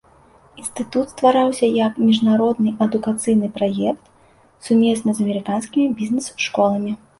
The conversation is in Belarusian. Інстытут ствараўся як міжнародны адукацыйны праект сумесна з амерыканскімі бізнес-школамі.